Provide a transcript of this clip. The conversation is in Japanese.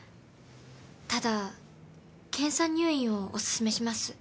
ただ検査入院をおすすめします。